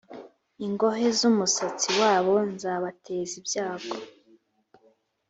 ingohe z umusatsi wabo nzabateza ibyago